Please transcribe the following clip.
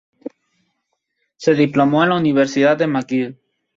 Se diplomó en la Universidad de McGill.